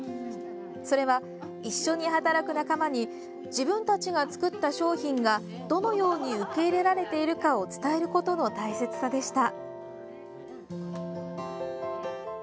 それは、一緒に働く仲間に自分たちが作った商品がどのように受け入れられているか伝えることの大切さでした。